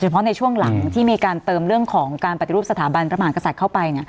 เพราะในช่วงหลังที่มีการเติมเรื่องของการปฏิรูปสถาบันพระมหากษัตริย์เข้าไป